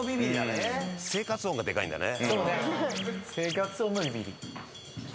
生活音がでかいんだね。